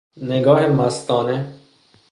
نگاه مستانه